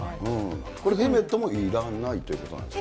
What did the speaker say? これ、ヘルメットもいらないということなんですよね。